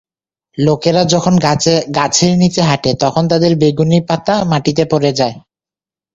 লোকেরা যখন গাছের নিচে হাঁটে, তখন তাদের বেগুনি পাতা মাটিতে পড়ে যায়।